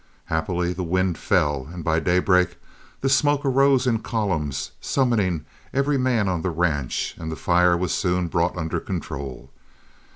Happily the wind fell, and by daybreak the smoke arose in columns, summoning every man on the ranch, and the fire was soon brought under control.